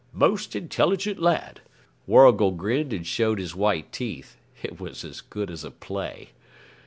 'Most intelligent lad.' Warrigal grinned and showed his white teeth. It was as good as a play.